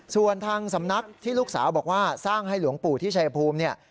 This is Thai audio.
ส่วนทางสำนักที่ลูกสาวบอกว่าสร้างให้หลวงปู่ที่ชายภูมิเนี่ย